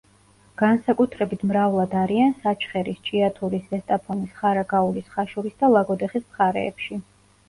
განსაკუთრებით მრავლად არიან საჩხერის, ჭიათურის, ზესტაფონის, ხარაგაულის, ხაშურის და ლაგოდეხის მხარეებში.